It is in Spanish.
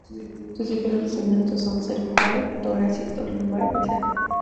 Sus diferentes segmentos son: cervical, torácico, lumbar y sacro.